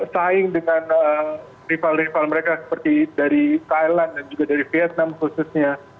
saing dengan rival rival mereka seperti dari thailand dan juga dari vietnam khususnya